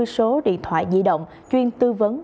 ba mươi số điện thoại di động chuyên tư vấn